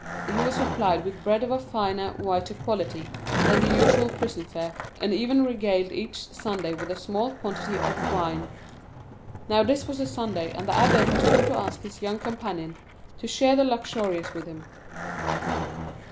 He was supplied with bread of a finer, whiter quality than the usual prison fare, and even regaled each Sunday with a small quantity of wine. Now this was a Sunday, and the abbé had come to ask his young companion to share the luxuries with him.